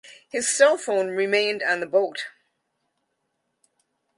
His cell phone remained on the boat.